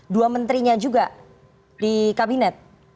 dua menterinya juga di kabinet